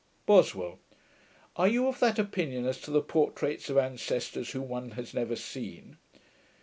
BOSWELL. 'Are you of that opinion as to the portraits of ancestors, whom one has never seen?'